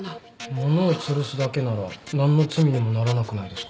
物をつるすだけなら何の罪にもならなくないですか？